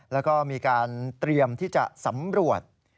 แล้วก็มีการเตรียมที่จะสำรวจ